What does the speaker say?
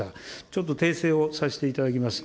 ちょっと訂正をさせていただきます。